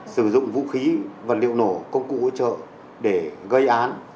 sử dụng vũ khí vật liệu nổ công cụ hỗ trợ để gây án